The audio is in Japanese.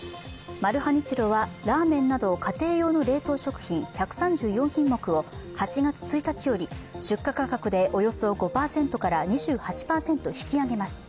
マルハニチロはラーメンなど家庭用の冷凍食品１３４品目を８月１日より出荷価格でおよそ５％から２８％引き上げます。